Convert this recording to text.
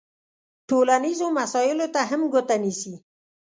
ټولنیزو مسایلو ته هم ګوته نیسي.